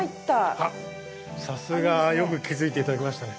あっさすがよく気づいて頂けましたね。